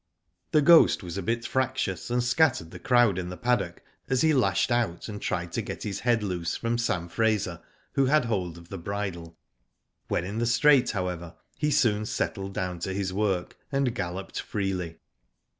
The Ghost was a bit fractious, and scattered the crowd in the paddock, as he lashed out and tried to get his head loose from Sam Fraser who had hold of the bridle. When in the straight, however, he soon settled down to his work, and galloped freely.